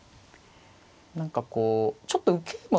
何かこうちょっと受けもね